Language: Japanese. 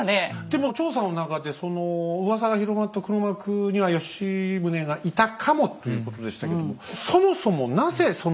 でも調査の中でそのうわさが広まった黒幕には吉宗がいたかもということでしたけども。